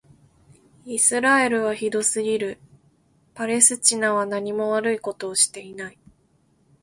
イスラエルはひどすぎる。パレスチナはなにも悪いことをしていない。